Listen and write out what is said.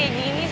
aduh sakit ya